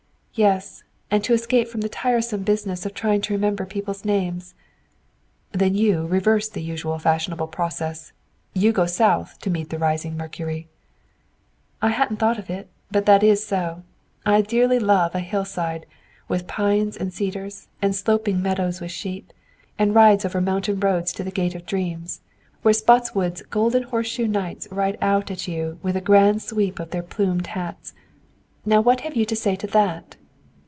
"Yes; and to escape from the tiresome business of trying to remember people's names." "Then you reverse the usual fashionable process you go south to meet the rising mercury." "I hadn't thought of it, but that is so. I dearly love a hillside, with pines and cedars, and sloping meadows with sheep and rides over mountain roads to the gate of dreams, where Spottswood's golden horseshoe knights ride out at you with a grand sweep of their plumed hats. Now what have you to say to that?"